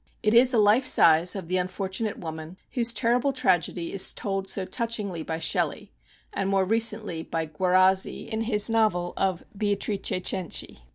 It is a life size of the unfor tunate woman, whose terrible tragedy is told so touchingly by Shelley, and, more recently, by Guerrazzi, in his novel of " Beatrice Cenci."